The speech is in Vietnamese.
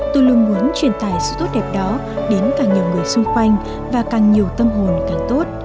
tôi luôn muốn truyền tải sự tốt đẹp đó đến càng nhiều người xung quanh và càng nhiều tâm hồn càng tốt